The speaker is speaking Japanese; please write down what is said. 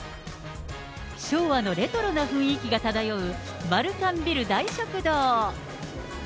昭和のレトロな雰囲気が漂うマルカンビル大食堂。